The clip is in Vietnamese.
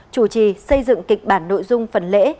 chủ trì xây dựng kịch bản nội dung phần lễ